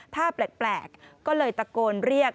ท่าแปลกก็เลยตะโกนเรียก